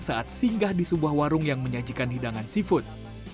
saat singgah di sebuah warung yang menyajikan hidangan seafood